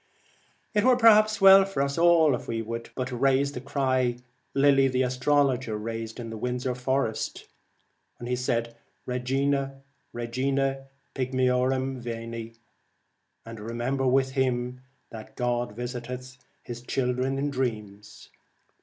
It were perhaps well for us all if we would but raise the cry Lilly the astrologer raised in Windsor Forest, ' Regina, Regina Pigme orum, Veni,' and remember with him, that God visiteth His children in dreams.